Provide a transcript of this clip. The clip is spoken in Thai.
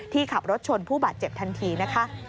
ขับรถชนผู้บาดเจ็บทันทีนะคะ